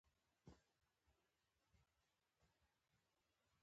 د مطالعې د اسانۍ په خاطر په ګروپ کې شامل دي.